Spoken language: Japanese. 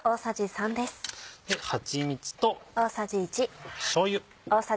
はちみつとしょうゆ。